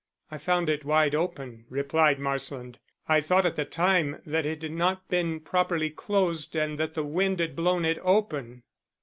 "I found it wide open," replied Marsland. "I thought at the time that it had not been properly closed and that the wind had blown it open."